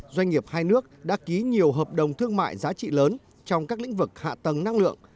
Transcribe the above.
doanh nghiệp hai nước đã ký nhiều hợp đồng thương mại giá trị lớn trong các lĩnh vực hạ tầng năng lượng